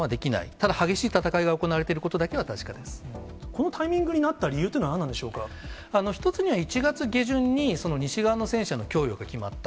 ただ、激しい戦いが行われているこのタイミングになった理由一つには１月下旬に、西側の戦車の供与が決まった。